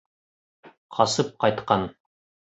Ҡасып ҡайтҡан!